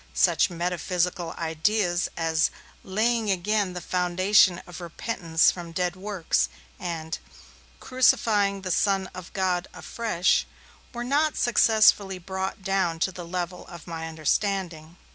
Such metaphysical ideas as 'laying again the foundation of repentance from dead works' and 'crucifying the Son of God afresh' were not successfully brought down to the level of my understanding.